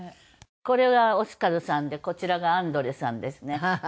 これがオスカルさんでこちらがアンドレさんですね。